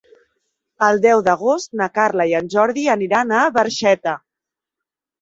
El deu d'agost na Carla i en Jordi aniran a Barxeta.